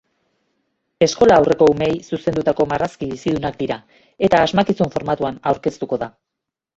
Eskola-aurreko umeei zuzendutako marrazki bizidunak dira, eta asmakizun formatuan aurkeztuko da.